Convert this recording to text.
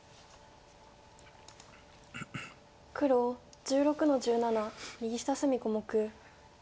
黒１６の十七右下隅小目。